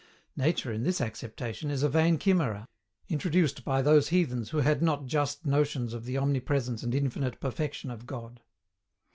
Nature, in this acceptation, is a vain chimera, introduced by those heathens who had not just notions of the omnipresence and infinite perfection of God.